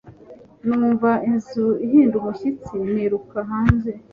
Numva inzu ihinda umushyitsi, niruka hanze.